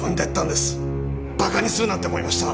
馬鹿にするなって思いました。